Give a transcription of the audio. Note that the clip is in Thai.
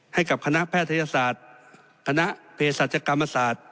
ให้กับคณะแพทยศาสตร์คณะเพศศาจกรรมศาสตร์